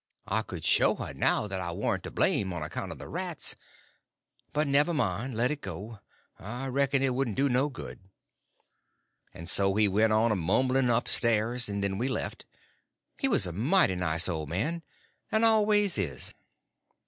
I could show her now that I warn't to blame on account of the rats. But never mind—let it go. I reckon it wouldn't do no good." And so he went on a mumbling up stairs, and then we left. He was a mighty nice old man. And always is.